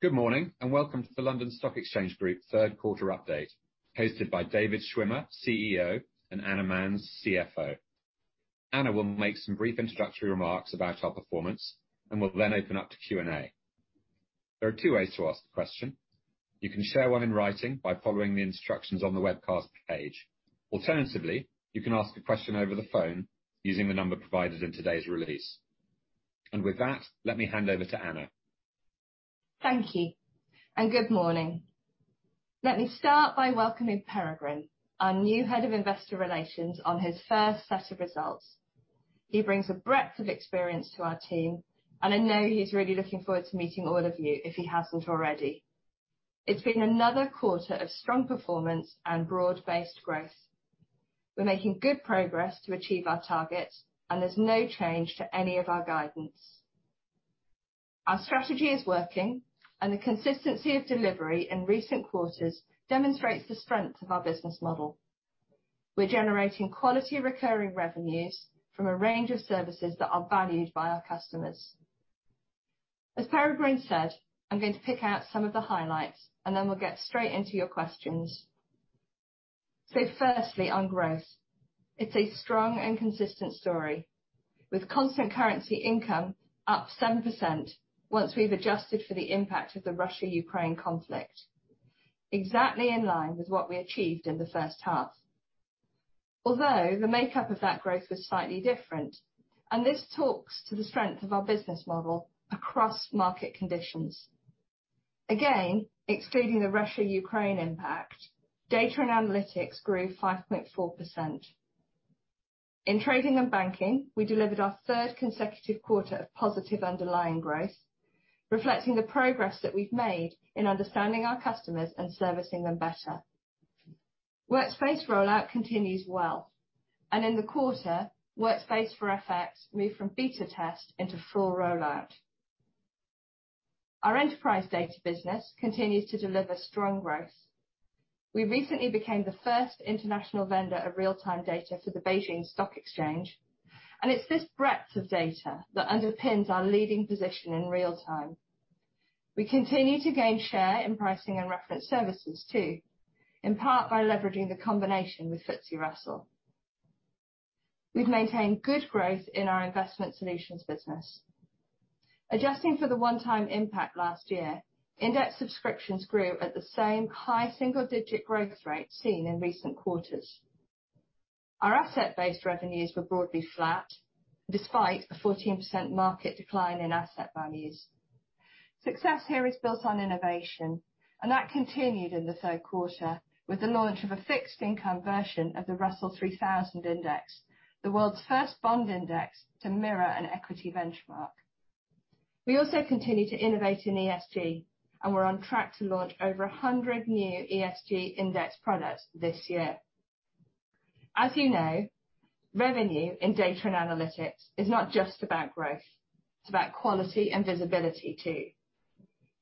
Good morning, and welcome to the London Stock Exchange Group Third Quarter Update, hosted by David Schwimmer, CEO, and Anna Manz, CFO. Anna will make some brief introductory remarks about our performance and will then open up to Q&A. There are two ways to ask the question. You can share one in writing by following the instructions on the webcast page. Alternatively, you can ask a question over the phone using the number provided in today's release. With that, let me hand over to Anna. Thank you, and good morning. Let me start by welcoming Peregrine, our new Head of Investor Relations, on his first set of results. He brings a breadth of experience to our team, and I know he's really looking forward to meeting all of you if he hasn't already. It's been another quarter of strong performance and broad-based growth. We're making good progress to achieve our targets, and there's no change to any of our guidance. Our strategy is working, and the consistency of delivery in recent quarters demonstrates the strength of our business model. We're generating quality recurring revenues from a range of services that are valued by our customers. As Peregrine said, I'm going to pick out some of the highlights, and then we'll get straight into your questions. Firstly, on growth. It's a strong and consistent story, with constant currency income up 7% once we've adjusted for the impact of the Russia-Ukraine conflict. Exactly in line with what we achieved in the first half. Although, the makeup of that growth was slightly different, and this talks to the strength of our business model across market conditions. Again, excluding the Russia-Ukraine impact, data and analytics grew 5.4%. In trading and banking, we delivered our third consecutive quarter of positive underlying growth, reflecting the progress that we've made in understanding our customers and servicing them better. Workspace rollout continues well, and in the quarter, Workspace for FX moved from beta test into full rollout. Our enterprise data business continues to deliver strong growth. We recently became the first international vendor of real-time data for the Beijing Stock Exchange, and it's this breadth of data that underpins our leading position in real time. We continue to gain share in Pricing and Reference Services too, in part by leveraging the combination with FTSE Russell. We've maintained good growth in our Investment Solutions business. Adjusting for the one-time impact last year, index subscriptions grew at the same high single-digit growth rate seen in recent quarters. Our asset-based revenues were broadly flat despite a 14% market decline in asset values. Success here is built on innovation, and that continued in the third quarter with the launch of a fixed income version of the Russell 3000 index, the world's first bond index to mirror an equity benchmark. We also continue to innovate in ESG, and we're on track to launch over 100 new ESG index products this year. As you know, revenue in Data & Analytics is not just about growth, it's about quality and visibility too.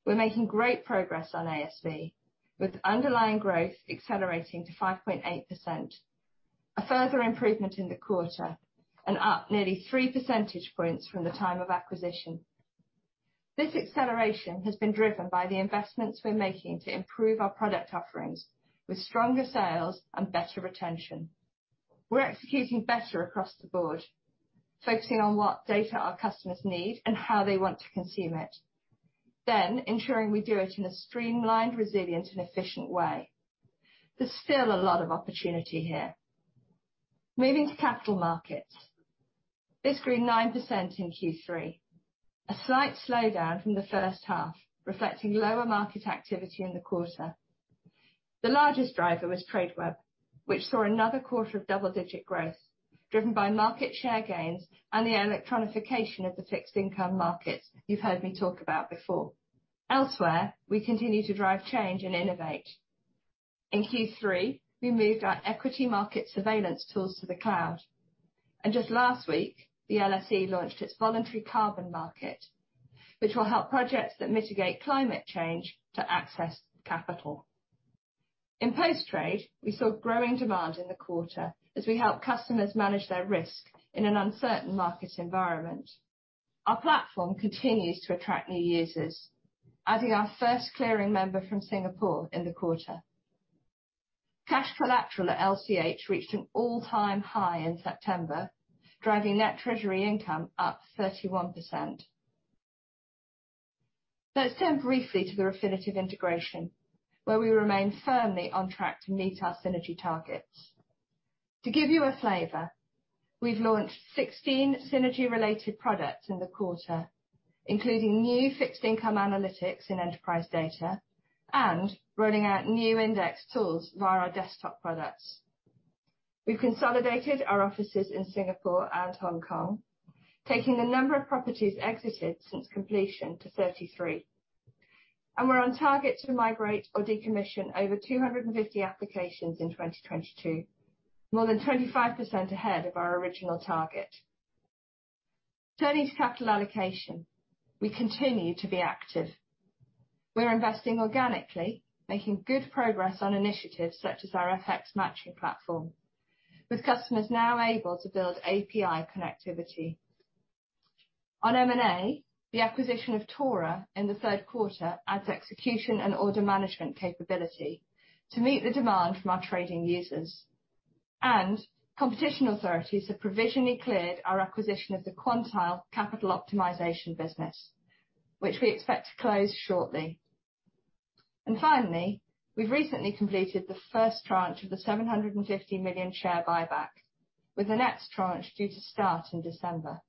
We're making great progress on ASV with underlying growth accelerating to 5.8%. A further improvement in the quarter and up nearly three percentage points from the time of acquisition. This acceleration has been driven by the investments we're making to improve our product offerings with stronger sales and better retention. We're executing better across the board, focusing on what data our customers need and how they want to consume it, then ensuring we do it in a streamlined, resilient and efficient way. There's still a lot of opportunity here. Moving to Capital Markets. This grew 9% in Q3, a slight slowdown from the first half, reflecting lower market activity in the quarter. The largest driver was Tradeweb, which saw another quarter of double-digit growth, driven by market share gains and the electronification of the fixed income markets you've heard me talk about before. Elsewhere, we continue to drive change and innovate. In Q3, we moved our equity market surveillance tools to the cloud, and just last week, the LSE launched its voluntary carbon market, which will help projects that mitigate climate change to access capital. In post-trade, we saw growing demand in the quarter as we help customers manage their risk in an uncertain market environment. Our platform continues to attract new users, adding our first clearing member from Singapore in the quarter. Cash collateral at LCH reached an all-time high in September, driving net treasury income up 31%. Let's turn briefly to the Refinitiv integration, where we remain firmly on track to meet our synergy targets. To give you a flavor, we've launched 16 synergy-related products in the quarter, including new fixed income analytics in Enterprise Data and rolling out new index tools via our desktop products. We've consolidated our offices in Singapore and Hong Kong, taking the number of properties exited since completion to 33. We're on target to migrate or decommission over 250 applications in 2022, more than 25% ahead of our original target. Turning to capital allocation. We continue to be active. We're investing organically, making good progress on initiatives such as our FX matching platform, with customers now able to build API connectivity. On M&A, the acquisition of Tora in the third quarter adds execution and order management capability to meet the demand from our trading users. Competition authorities have provisionally cleared our acquisition of the Quantile capital optimization business, which we expect to close shortly. Finally, we've recently completed the first tranche of the 750 million share buyback, with the next tranche due to start in December.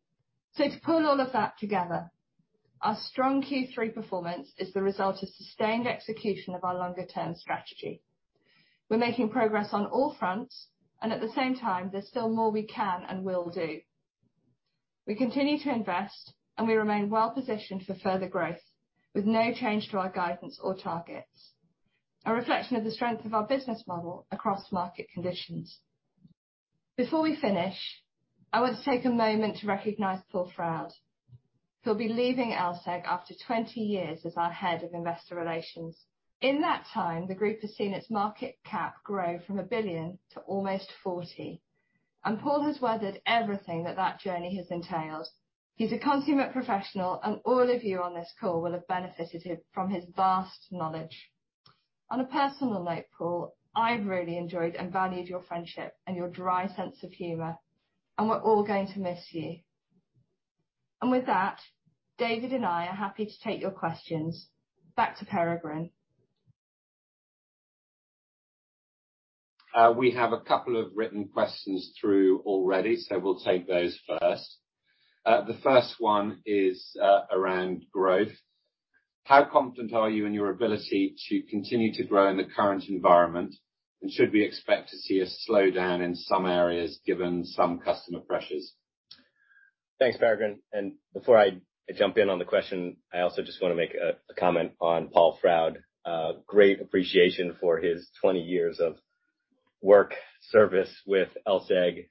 To pull all of that together, our strong Q3 performance is the result of sustained execution of our longer-term strategy. We're making progress on all fronts, and at the same time, there's still more we can and will do. We continue to invest, and we remain well-positioned for further growth, with no change to our guidance or targets, a reflection of the strength of our business model across market conditions. Before we finish, I want to take a moment to recognize Paul Froud, who'll be leaving LSEG after 20 years as our head of investor relations. In that time, the group has seen its market cap grow from 1 billion to almost 40, and Paul has weathered everything that that journey has entailed. He's a consummate professional, and all of you on this call will have benefited from him and his vast knowledge. On a personal note, Paul, I've really enjoyed and valued your friendship and your dry sense of humor, and we're all going to miss you. With that, David and I are happy to take your questions. Back to Peregrine. We have a couple of written questions through already, so we'll take those first. The first one is around growth. How confident are you in your ability to continue to grow in the current environment, and should we expect to see a slowdown in some areas given some customer pressures? Thanks, Peregrine. Before I jump in on the question, I also just wanna make a comment on Paul Froud. Great appreciation for his 20 years of service with LSEG.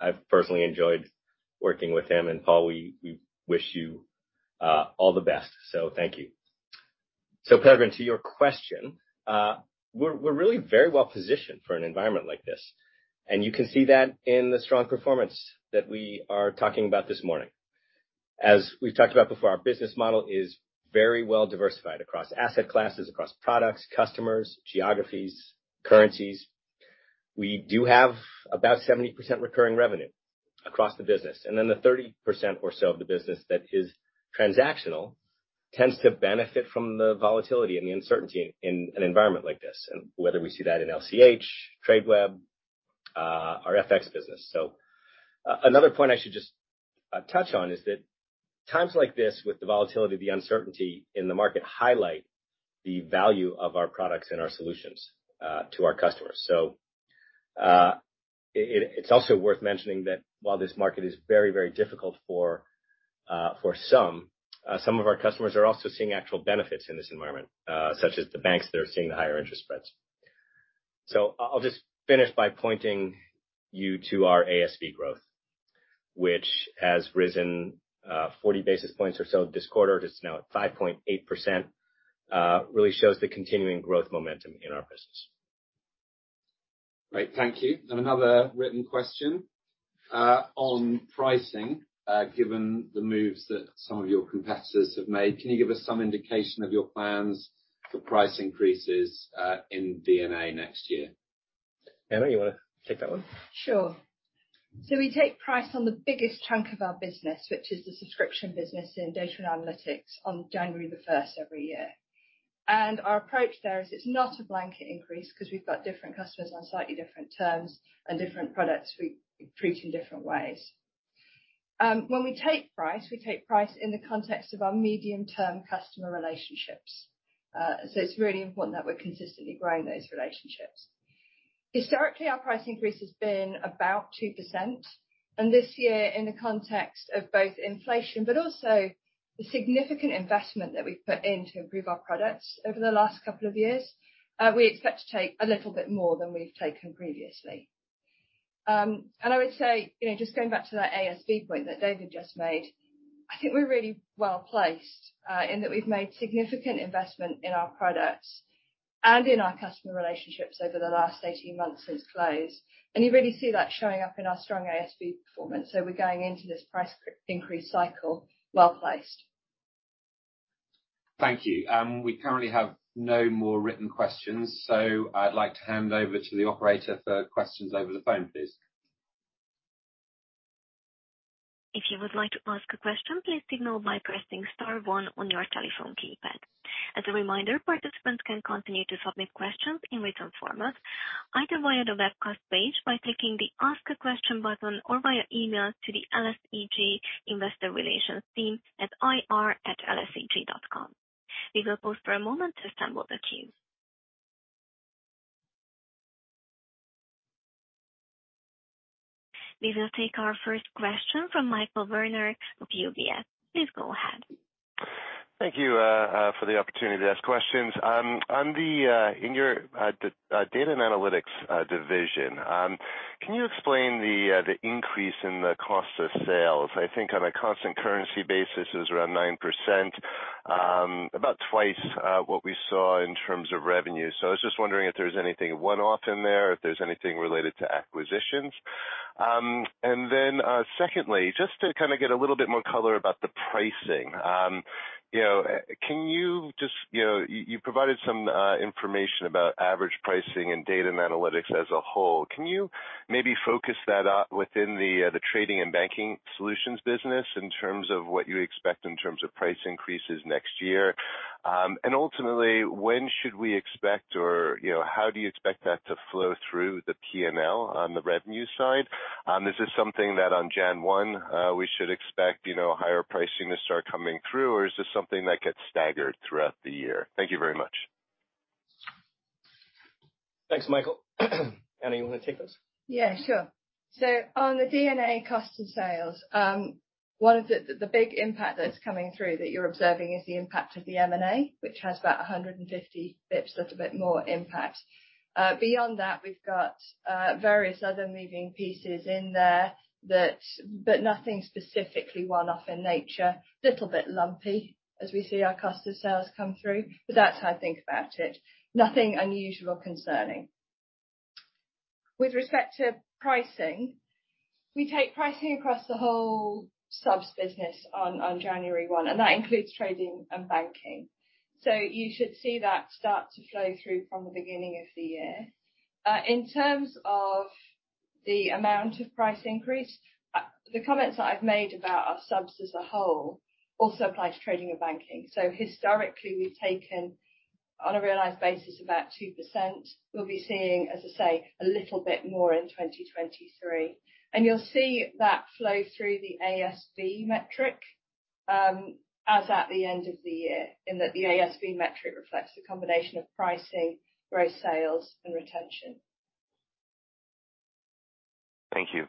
I've personally enjoyed working with him, and Paul, we wish you all the best. Thank you. Peregrine, to your question, we're really very well-positioned for an environment like this, and you can see that in the strong performance that we are talking about this morning. As we've talked about before, our business model is very well diversified across asset classes, across products, customers, geographies, currencies. We do have about 70% recurring revenue across the business, and then the 30% or so of the business that is transactional tends to benefit from the volatility and the uncertainty in an environment like this, and whether we see that in LCH, Tradeweb, our FX business. Another point I should just touch on is that times like this, with the volatility, the uncertainty in the market, highlight the value of our products and our solutions to our customers. It's also worth mentioning that while this market is very, very difficult for some of our customers are also seeing actual benefits in this environment, such as the banks that are seeing the higher interest spreads. I'll just finish by pointing you to our ASV growth, which has risen 40 basis points or so this quarter. It's now at 5.8%. Really shows the continuing growth momentum in our business. Great. Thank you. Another written question on pricing. Given the moves that some of your competitors have made, can you give us some indication of your plans for price increases in D&A next year? Anna, you wanna take that one? Sure. We take price on the biggest chunk of our business, which is the subscription business in Data & Analytics, on January 1 every year. Our approach there is it's not a blanket increase 'cause we've got different customers on slightly different terms and different products we treat in different ways. When we take price, we take price in the context of our medium-term customer relationships. It's really important that we're consistently growing those relationships. Historically, our price increase has been about 2%. This year, in the context of both inflation, but also the significant investment that we've put in to improve our products over the last couple of years, we expect to take a little bit more than we've taken previously. I would say, you know, just going back to that ASV point that David just made, I think we're really well-placed in that we've made significant investment in our products and in our customer relationships over the last 18 months since close. You really see that showing up in our strong ASV performance. We're going into this price increase cycle well-placed. Thank you. We currently have no more written questions, so I'd like to hand over to the operator for questions over the phone, please. If you would like to ask a question, please signal by pressing star one on your telephone keypad. As a reminder, participants can continue to submit questions in written format either via the webcast page by clicking the Ask a Question button or via email to the LSEG Investor Relations team at ir@lseg.com. We will pause for a moment to assemble the queue. We will take our first question from Michael Werner of UBS. Please go ahead. Thank you for the opportunity to ask questions. In your Data & Analytics division, can you explain the increase in the cost of sales? I think on a constant currency basis, it was around 9%, about twice what we saw in terms of revenue. I was just wondering if there's anything one-off in there, if there's anything related to acquisitions. Secondly, just to kind of get a little bit more color about the pricing. You know, can you just. You know, you provided some information about average pricing and Data & Analytics as a whole. Can you maybe focus that up within the Trading and Banking solutions business in terms of what you expect in terms of price increases next year? Ultimately, when should we expect or, you know, how do you expect that to flow through the P&L on the revenue side? Is this something that on January 1, we should expect, you know, higher pricing to start coming through, or is this something that gets staggered throughout the year? Thank you very much. Thanks, Michael. Anna, you wanna take this? Yeah, sure. On the D&A cost of sales, one of the big impact that's coming through that you're observing is the impact of the M&A, which has about 150 BPS, little bit more impact. Beyond that, we've got various other moving pieces in there, but nothing specifically one-off in nature. Little bit lumpy as we see our cost of sales come through, but that's how I think about it. Nothing unusual or concerning. With respect to pricing, we take pricing across the whole subs business on January 1, and that includes Trading and Banking. You should see that start to flow through from the beginning of the year. In terms of the amount of price increase, the comments that I've made about our subs as a whole also applies to Trading and Banking. Historically, we've taken on a realized basis about 2%. We'll be seeing, as I say, a little bit more in 2023. You'll see that flow through the ASV metric as at the end of the year, in that the ASV metric reflects the combination of pricing, growth sales, and retention. Thank you.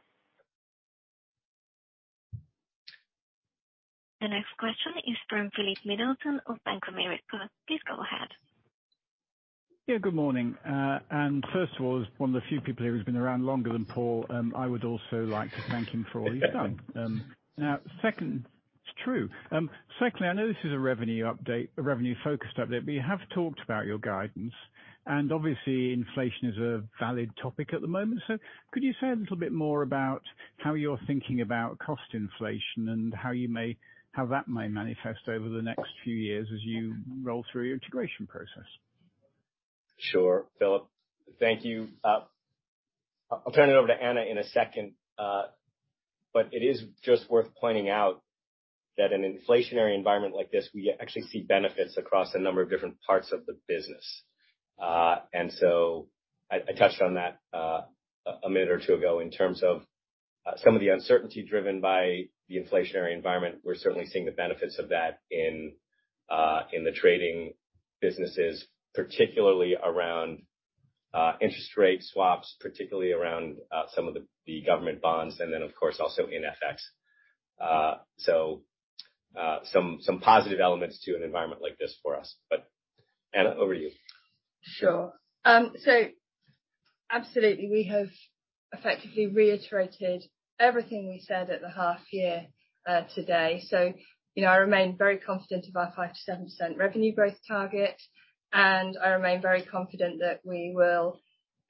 The next question is from Philip Middleton of Bank of America. Please go ahead. Good morning. First of all, as one of the few people here who's been around longer than Paul, I would also like to thank him for all he's done. Secondly, I know this is a revenue update, a revenue-focused update, but you have talked about your guidance, and obviously inflation is a valid topic at the moment. Could you say a little bit more about how you're thinking about cost inflation and how that may manifest over the next few years as you roll through your integration process? Sure, Philip. Thank you. I'll turn it over to Anna in a second, but it is just worth pointing out that an inflationary environment like this, we actually see benefits across a number of different parts of the business. I touched on that a minute or two ago in terms of some of the uncertainty driven by the inflationary environment. We're certainly seeing the benefits of that in the trading businesses, particularly around interest rate swaps, particularly around some of the government bonds, and then, of course, also in FX. Some positive elements to an environment like this for us. Anna, over to you. Sure. Absolutely, we have effectively reiterated everything we said at the half year today. You know, I remain very confident of our 5%-7% revenue growth target, and I remain very confident that we will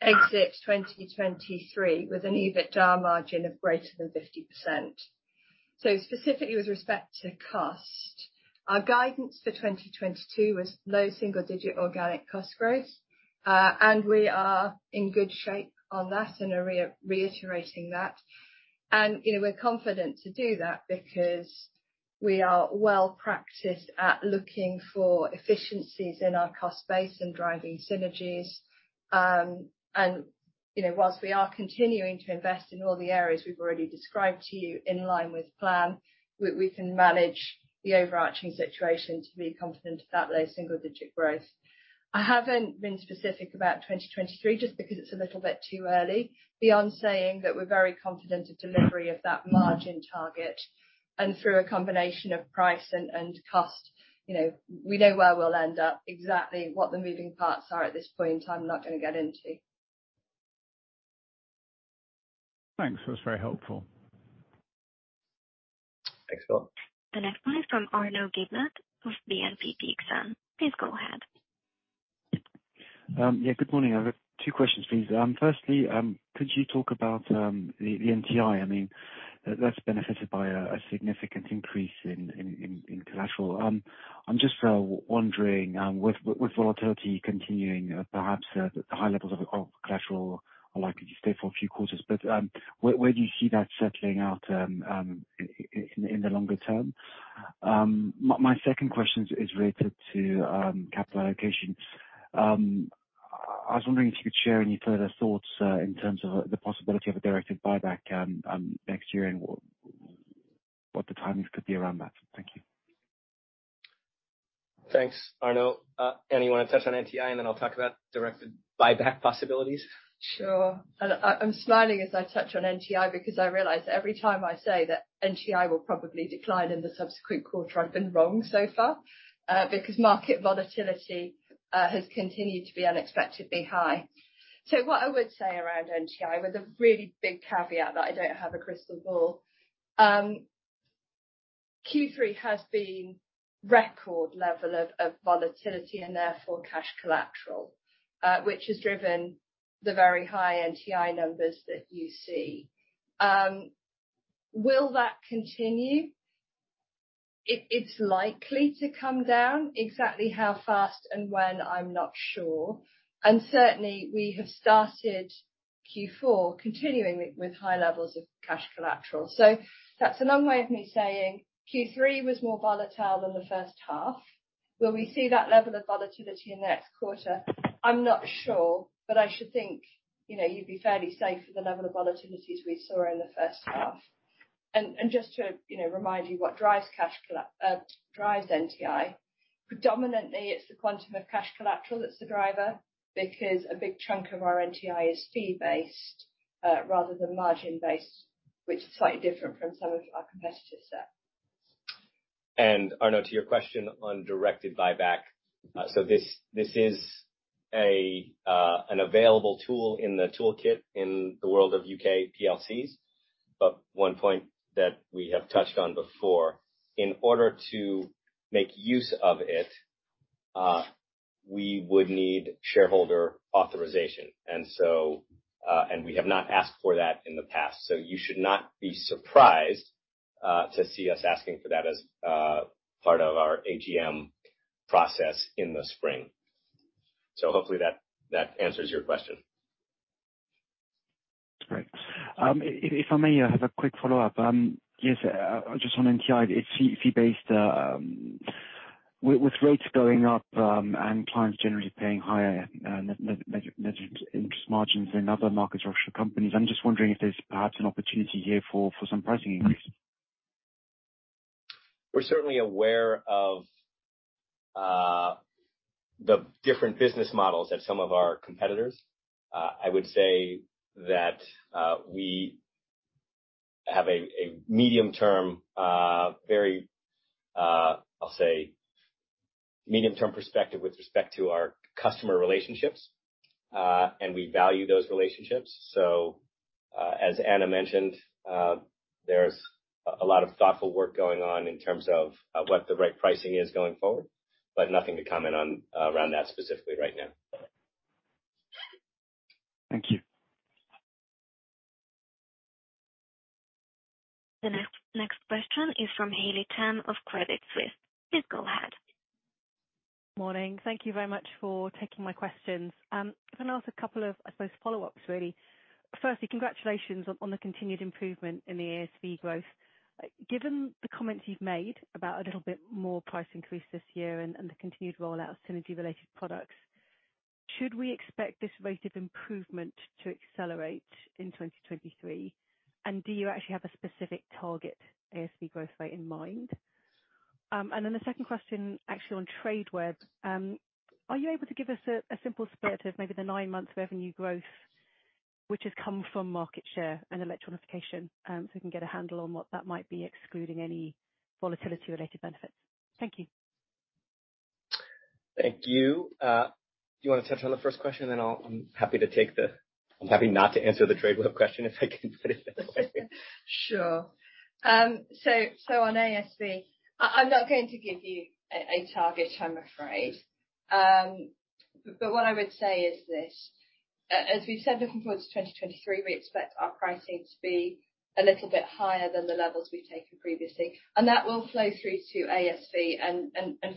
exit 2023 with an EBITDA margin of greater than 50%. Specifically with respect to cost, our guidance for 2022 was low single digit organic cost growth, and we are in good shape on that and are reiterating that. You know, we're confident to do that because we are well-practiced at looking for efficiencies in our cost base and driving synergies. You know, while we are continuing to invest in all the areas we've already described to you in line with plan, we can manage the overarching situation to be confident of that low single digit growth. I haven't been specific about 2023 just because it's a little bit too early, beyond saying that we're very confident of delivery of that margin target. Through a combination of price and cost, you know, we know where we'll end up. Exactly what the moving parts are at this point in time, I'm not gonna get into. Thanks. That was very helpful. Thanks, Philip. The next line from Arnaud Giblat of BNP Exane. Please go ahead. Yeah, good morning. I've got two questions, please. Firstly, could you talk about the NTI? I mean, that's benefited by a significant increase in collateral. I'm just wondering, with volatility continuing, perhaps the high levels of collateral are likely to stay for a few quarters, but where do you see that settling out in the longer term? My second question is related to capital allocation. I was wondering if you could share any further thoughts in terms of the possibility of a directed buyback next year and what the timings could be around that. Thank you. Thanks, Arnaud. Anna, you wanna touch on NTI, and then I'll talk about directed buyback possibilities? Sure. I'm smiling as I touch on NTI because I realize every time I say that NTI will probably decline in the subsequent quarter, I've been wrong so far, because market volatility has continued to be unexpectedly high. What I would say around NTI, with a really big caveat that I don't have a crystal ball, Q3 has been record level of volatility and therefore cash collateral, which has driven the very high NTI numbers that you see. Will that continue? It's likely to come down. Exactly how fast and when, I'm not sure. Certainly we have started Q4 continuing with high levels of cash collateral. That's a long way of me saying Q3 was more volatile than the first half. Will we see that level of volatility next quarter? I'm not sure, but I should think, you know, you'd be fairly safe with the level of volatilities we saw in the first half. Just to, you know, remind you what drives NTI. Predominantly it's the quantum of cash collateral that's the driver because a big chunk of our NTI is fee-based, rather than margin-based, which is slightly different from some of our competitor set. Arnaud, to your question on directed buyback. This is an available tool in the toolkit in the world of UK PLCs, but one point that we have touched on before, in order to make use of it, we would need shareholder authorization. We have not asked for that in the past, so you should not be surprised to see us asking for that as part of our AGM process in the spring. Hopefully that answers your question. Great. If I may, I have a quick follow-up. Just on NTI. It's fee-based. With rates going up, and clients generally paying higher net interest margins than other markets or other companies, I'm just wondering if there's perhaps an opportunity here for some pricing increases. We're certainly aware of the different business models at some of our competitors. I would say that we have a medium-term perspective with respect to our customer relationships, and we value those relationships. As Anna mentioned, there's a lot of thoughtful work going on in terms of what the right pricing is going forward, but nothing to comment on around that specifically right now. Thank you. The next question is from Haley Tam of Credit Suisse. Please go ahead. Morning. Thank you very much for taking my questions. Can I ask a couple of, I suppose, follow-ups, really. Firstly, congratulations on the continued improvement in the ASV growth. Given the comments you've made about a little bit more price increase this year and the continued rollout of synergy-related products, should we expect this rate of improvement to accelerate in 2023? And do you actually have a specific target ASV growth rate in mind? And then the second question actually on Tradeweb. Are you able to give us a simple split of maybe the nine months of revenue growth which has come from market share and electronification, so we can get a handle on what that might be, excluding any volatility-related benefits? Thank you. Thank you. Do you wanna touch on the first question, and then I'm happy not to answer the Tradeweb question, if I can put it that way. Sure. So on ASV, I'm not going to give you a target, I'm afraid. What I would say is this. As we've said, looking forward to 2023, we expect our pricing to be a little bit higher than the levels we've taken previously. That will flow through to ASV and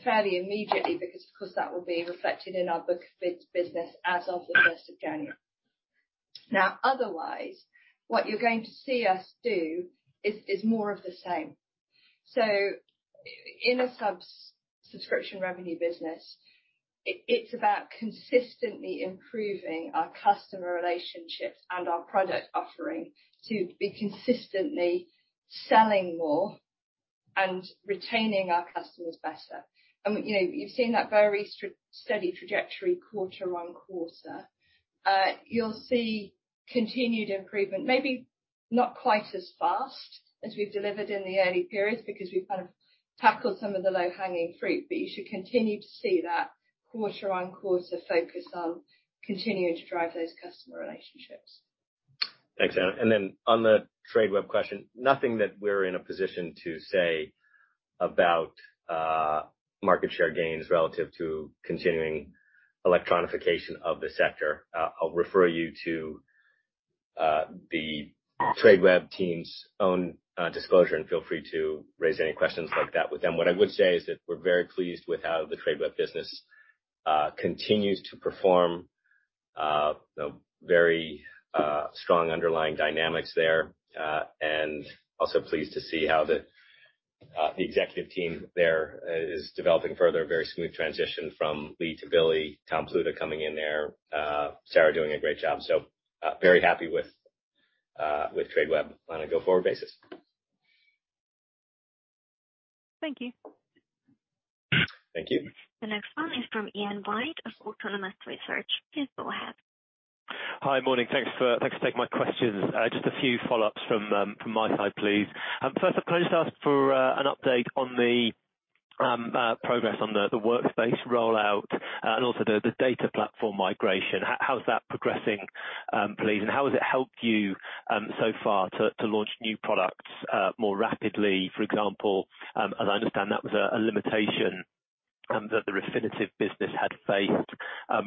fairly immediately because, of course, that will be reflected in our books business as of the first of January. Now, otherwise, what you're going to see us do is more of the same. In a subscription revenue business, it's about consistently improving our customer relationships and our product offering to be consistently selling more and retaining our customers better. You know, you've seen that very steady trajectory quarter on quarter. You'll see continued improvement, maybe not quite as fast as we've delivered in the early periods, because we've kind of tackled some of the low-hanging fruit. You should continue to see that quarter on quarter focus on continuing to drive those customer relationships. Thanks, Anna. On the Tradeweb question, nothing that we're in a position to say about market share gains relative to continuing electronification of the sector. I'll refer you to the Tradeweb team's own disclosure, and feel free to raise any questions like that with them. What I would say is that we're very pleased with how the Tradeweb business continues to perform, the very strong underlying dynamics there, and also pleased to see how the executive team there is developing further, a very smooth transition from Lee to Billy, Tom Pluta coming in there, Sarah doing a great job. Very happy with Tradeweb on a go-forward basis. Thank you. Thank you. The next one is from Ian White of Autonomous Research. Please go ahead. Hi. Morning. Thanks for taking my questions. Just a few follow-ups from my side, please. First off, can I just ask for an update on the progress on the Workspace rollout and also the data platform migration. How's that progressing, please? How has it helped you so far to launch new products more rapidly, for example? I understand that was a limitation that the Refinitiv business had faced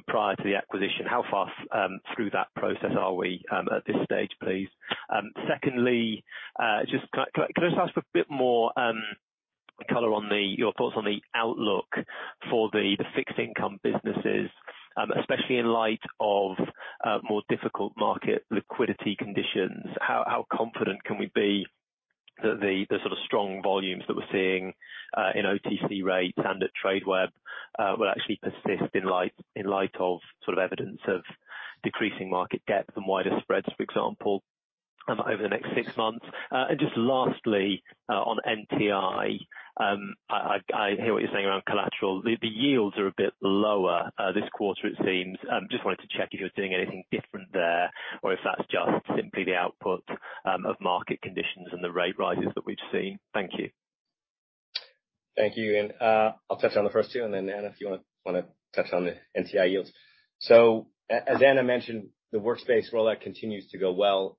prior to the acquisition. How far through that process are we at this stage, please? Secondly, can I just ask for a bit more color on your thoughts on the outlook for the fixed income businesses, especially in light of more difficult market liquidity conditions? How confident can we be that the sort of strong volumes that we're seeing in OTC rates and at Tradeweb will actually persist in light of sort of evidence of decreasing market depth and wider spreads, for example, over the next six months? Just lastly, on NTI, I hear what you're saying around collateral. The yields are a bit lower this quarter, it seems. Just wanted to check if you're doing anything different there or if that's just simply the output of market conditions and the rate rises that we've seen. Thank you. Thank you. I'll touch on the first two, and then, Anna, if you wanna touch on the NTI yields. As Anna mentioned, the Workspace rollout continues to go well.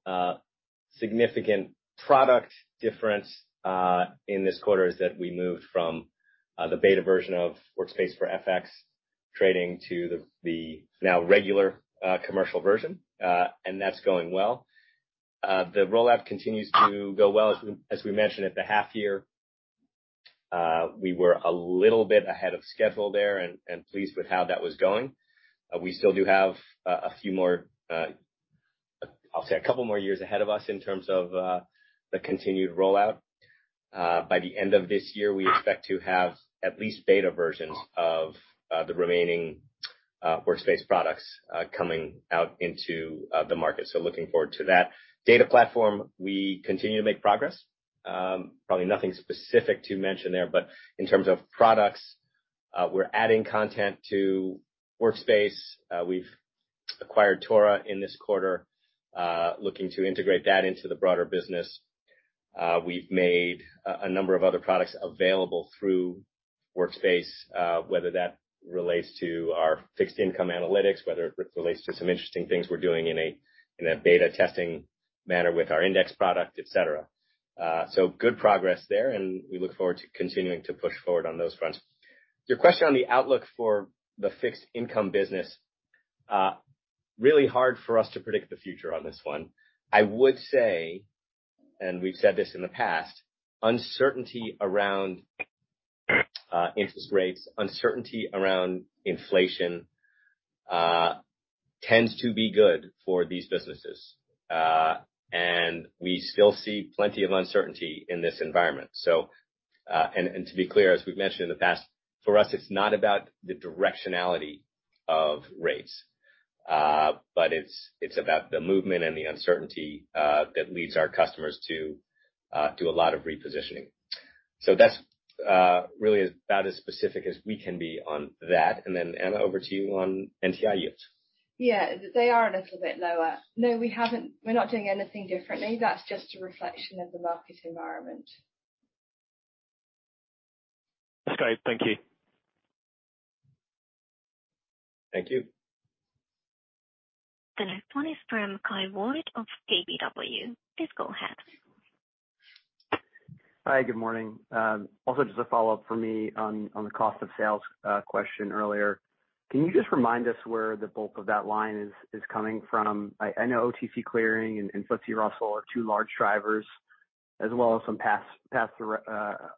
Significant product difference in this quarter is that we moved from the beta version of Workspace for FX trading to the now regular commercial version. And that's going well. The rollout continues to go well. As we mentioned at the half year, we were a little bit ahead of schedule there and pleased with how that was going. We still do have a few more, I'll say a couple more years ahead of us in terms of the continued rollout. By the end of this year, we expect to have at least beta versions of the remaining Workspace products coming out into the market. Looking forward to that. Data platform, we continue to make progress. Probably nothing specific to mention there, but in terms of products, we're adding content to Workspace. We've acquired Tora in this quarter, looking to integrate that into the broader business. We've made a number of other products available through Workspace, whether that relates to our fixed income analytics, whether it relates to some interesting things we're doing in a beta testing manner with our index product, et cetera. Good progress there, and we look forward to continuing to push forward on those fronts. Your question on the outlook for the fixed income business, really hard for us to predict the future on this one. I would say, and we've said this in the past, uncertainty around interest rates, uncertainty around inflation, tends to be good for these businesses. We still see plenty of uncertainty in this environment. To be clear, as we've mentioned in the past, for us, it's not about the directionality of rates, but it's about the movement and the uncertainty that leads our customers to do a lot of repositioning. That's really about as specific as we can be on that. Anna, over to you on NTI yields. Yeah, they are a little bit lower. No, we're not doing anything differently. That's just a reflection of the market environment. Okay. Thank you. Thank you. The next one is from Kyle Voigt of KBW. Please go ahead. Hi, good morning. Also just a follow-up for me on the cost of sales question earlier. Can you just remind us where the bulk of that line is coming from? I know OTC clearing and FTSE Russell are two large drivers, as well as some past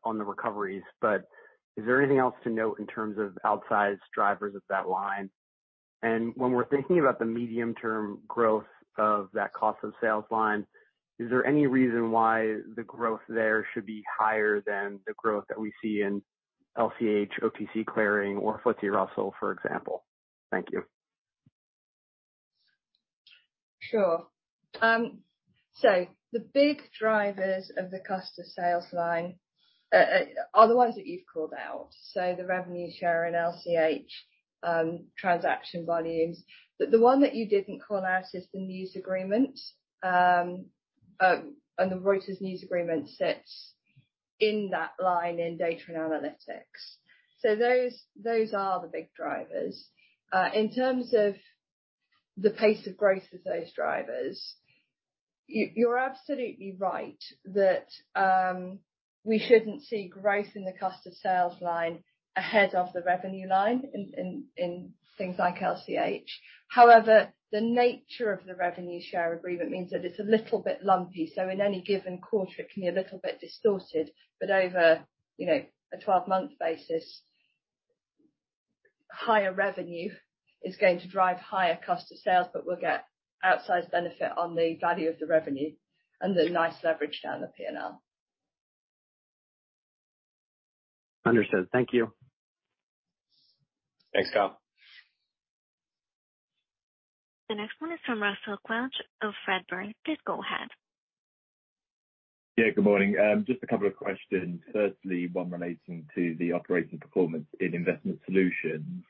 on the recoveries. Is there anything else to note in terms of outsized drivers of that line? When we're thinking about the medium-term growth of that cost of sales line, is there any reason why the growth there should be higher than the growth that we see in LCH, OTC Clearing or FTSE Russell, for example? Thank you. Sure. The big drivers of the cost of sales line are the ones that you've called out, so the revenue share in LCH, transaction volumes. The one that you didn't call out is the news agreement. The Reuters news agreement sits in that line in Data & Analytics. Those are the big drivers. In terms of the pace of growth of those drivers, you're absolutely right that we shouldn't see growth in the cost of sales line ahead of the revenue line in things like LCH. However, the nature of the revenue share agreement means that it's a little bit lumpy. In any given quarter, it can be a little bit distorted. Over, you know, a 12-month basis, higher revenue is going to drive higher cost of sales, but we'll get outsized benefit on the value of the revenue and the nice leverage down the P&L. Understood. Thank you. Thanks, Kyle. The next one is from Russell Quelch of Redburn. Please go ahead. Yeah, good morning. Just a couple of questions. Firstly, one relating to the operating performance in Investment Solutions.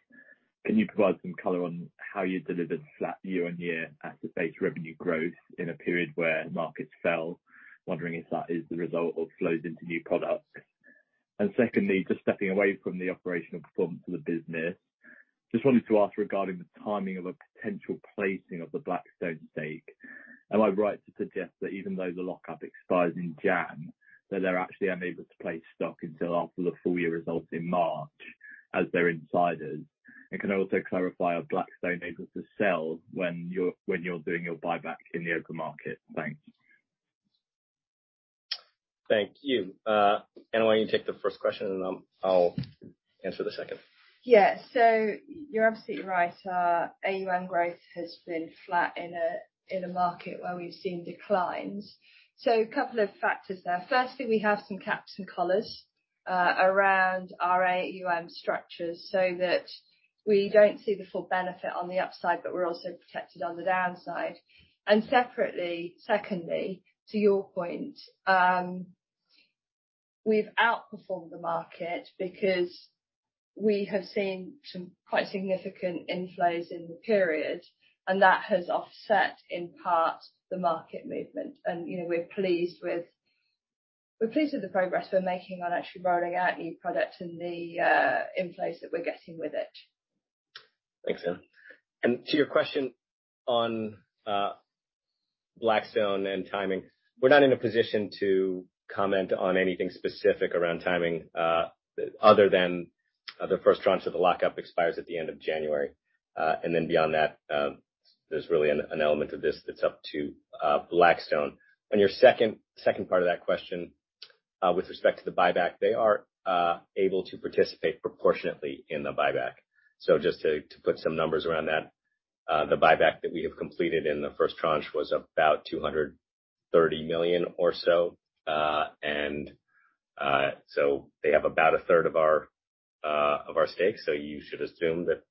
Can you provide some color on how you delivered flat year-over-year asset base revenue growth in a period where markets fell? Wondering if that is the result of flows into new products. Secondly, just stepping away from the operational performance of the business, just wanted to ask regarding the timing of a potential placing of the Blackstone stake. Am I right to suggest that even though the lock-up expires in January, that they're actually unable to place stock until after the full year results in March as they're insiders? Can I also clarify, are Blackstone able to sell when you're doing your buyback in the open market? Thanks. Thank you. Anna, why don't you take the first question, and I'll answer the second. Yeah. You're absolutely right. AUM growth has been flat in a market where we've seen declines. A couple of factors there. Firstly, we have some caps and collars around our AUM structures, so that we don't see the full benefit on the upside, but we're also protected on the downside. Separately, secondly, to your point, we've outperformed the market because we have seen some quite significant inflows in the period, and that has offset, in part, the market movement. You know, we're pleased with the progress we're making on actually rolling out new product and the inflows that we're getting with it. Thanks, Anna. To your question on Blackstone and timing, we're not in a position to comment on anything specific around timing, other than the first tranche of the lock-up expires at the end of January. Beyond that, there's really an element of this that's up to Blackstone. On your second part of that question, with respect to the buyback, they are able to participate proportionately in the buyback. Just to put some numbers around that, the buyback that we have completed in the first tranche was about 230 million or so. They have about a third of our stake. You should assume that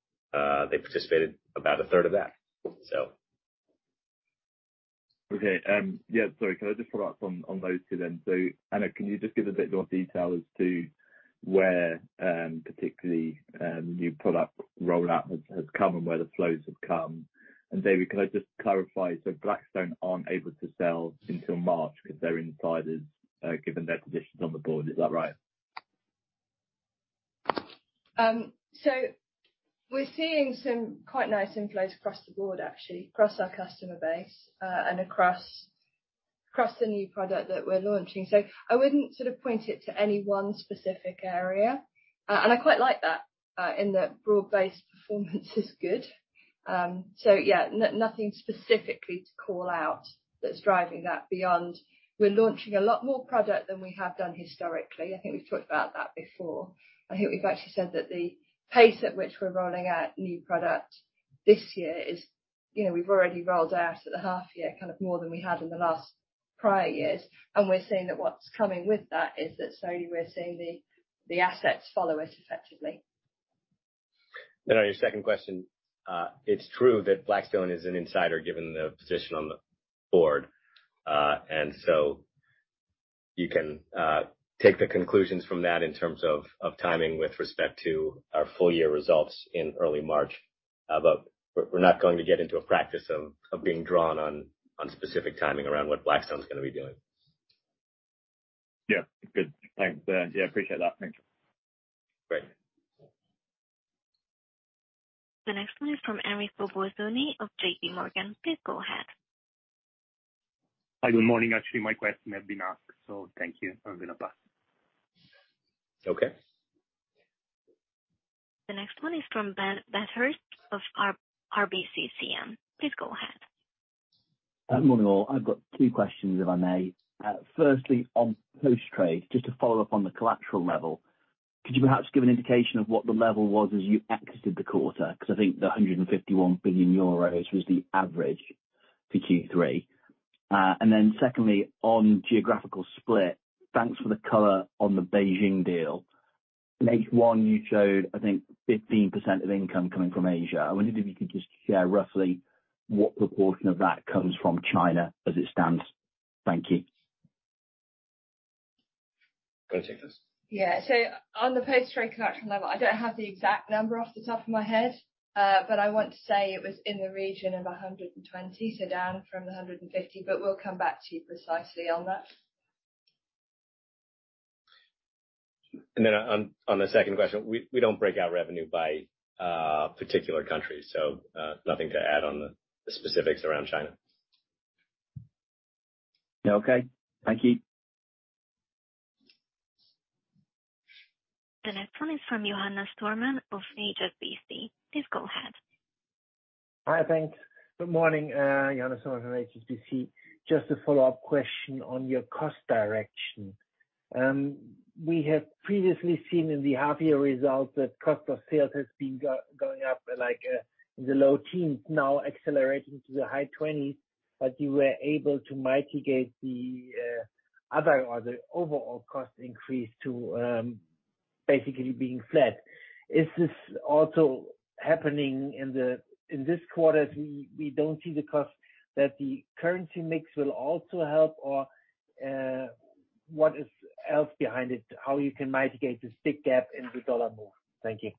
they participated about a third of that. Okay. Yeah. Sorry, can I just follow up on those two then? Anna, can you just give a bit more detail as to where particularly new product rollout has come and where the flows have come? David, can I just clarify, so Blackstone aren't able to sell until March because they're insiders, given their positions on the board. Is that right? We're seeing some quite nice inflows across the board, actually, across our customer base, and across the new product that we're launching. I wouldn't sort of point it to any one specific area. I quite like that, in that broad-based performance is good. Yeah, nothing specifically to call out that's driving that beyond we're launching a lot more product than we have done historically. I think we've talked about that before. I think we've actually said that the pace at which we're rolling out new product this year is, you know, we've already rolled out at the half year kind of more than we had in the last prior years. We're seeing that what's coming with that is that slowly we're seeing the assets follow it effectively. On your second question, it's true that Blackstone is an insider, given the position on the board. You can take the conclusions from that in terms of of timing with respect to our full year results in early March. We're not going to get into a practice of being drawn on specific timing around what Blackstone is gonna be doing. Yeah. Good. Thanks. Yeah, appreciate that. Thank you. Great. The next one is from Enrico Bolzoni of JPMorgan. Please go ahead. Hi. Good morning. Actually, my question has been asked, so thank you. I'm gonna pass. Okay. The next one is from Ben Hurst of RBCCM. Please go ahead. Morning, all. I've got two questions, if I may. Firstly, on Post Trade, just to follow up on the collateral level, could you perhaps give an indication of what the level was as you exited the quarter? Because I think the 151 billion euros was the average for Q3. Then secondly, on geographical split, thanks for the color on the Beijing deal. In H1 you showed, I think, 15% of income coming from Asia. I wondered if you could just share roughly what proportion of that comes from China as it stands. Thank you. Do you wanna take this? On the Post Trade collection level, I don't have the exact number off the top of my head, but I want to say it was in the region of 120, so down from the 150. We'll come back to you precisely on that. On the second question, we don't break out revenue by particular countries, so nothing to add on the specifics around China. Okay. Thank you. The next one is from Johannes Thormann of HSBC. Please go ahead. Hi. Thanks. Good morning. Johannes Thormann from HSBC. Just a follow-up question on your cost direction. We have previously seen in the half year results that cost of sales has been going up, like, in the low teens, now accelerating to the high twenties, but you were able to mitigate the other or the overall cost increase to basically being flat. Is this also happening in this quarter? We don't see the cost that the currency mix will also help or what else is behind it? How can you mitigate this big gap in the dollar move? Thank you.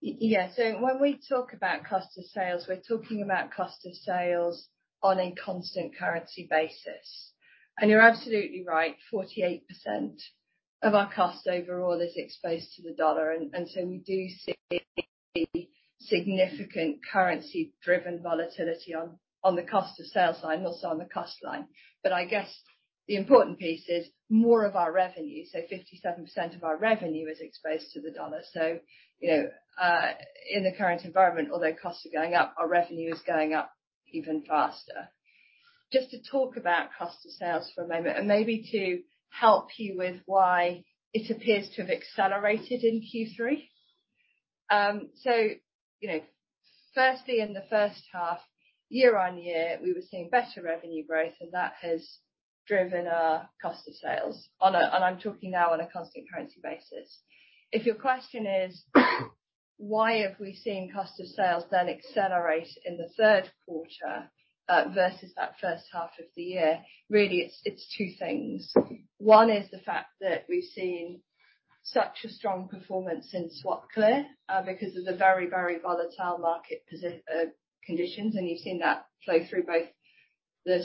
Yeah. When we talk about cost of sales, we're talking about cost of sales on a constant currency basis. You're absolutely right, 48% of our cost overall is exposed to the dollar. We do see significant currency-driven volatility on the cost of sales side and also on the cost line. I guess the important piece is more of our revenue, so 57% of our revenue is exposed to the dollar. You know, in the current environment, although costs are going up, our revenue is going up even faster. Just to talk about cost of sales for a moment and maybe to help you with why it appears to have accelerated in Q3. You know, firstly, in the first half, year-over-year, we were seeing better revenue growth, and that has driven our cost of sales. I'm talking now on a constant currency basis. If your question is why have we seen cost of sales then accelerate in the third quarter, versus that first half of the year, really it's two things. One is the fact that we've seen such a strong performance in SwapClear, because of the very, very volatile market conditions, and you've seen that flow through both the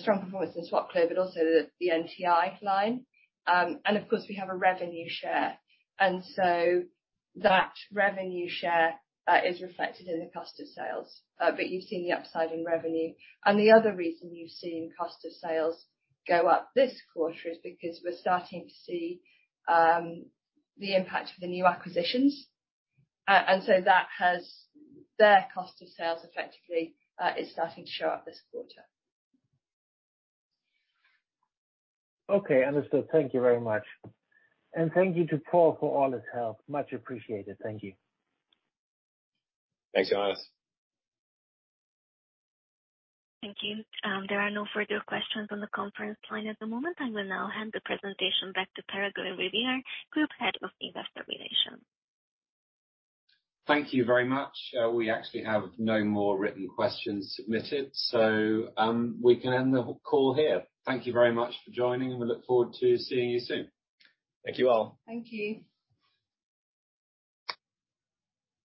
strong performance in SwapClear but also the NTI line. Of course we have a revenue share, and so that revenue share is reflected in the cost of sales. You've seen the upside in revenue. The other reason you've seen cost of sales go up this quarter is because we're starting to see the impact of the new acquisitions. Their cost of sales effectively is starting to show up this quarter. Okay. Understood. Thank you very much. Thank you to Paul for all his help. Much appreciated. Thank you. Thanks, Johannes. Thank you. There are no further questions on the conference line at the moment. I will now hand the presentation back to Peregrine Riviere, Group Head of Investor Relations. Thank you very much. We actually have no more written questions submitted, so we can end the call here. Thank you very much for joining, and we look forward to seeing you soon. Thank you all. Thank you.